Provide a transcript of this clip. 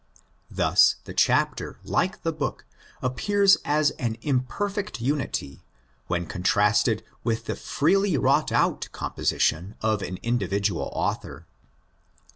Thus the chapter, like the book, appears as an imperfect unity when contrasted with the freely wrought out composition of an individual author.